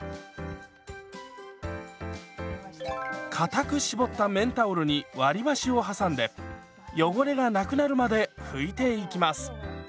かたく絞った綿タオルに割り箸を挟んで汚れがなくなるまで拭いていきます。